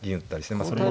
まあそれに。